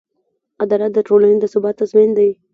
عدالت د ټولنې د ثبات تضمین دی.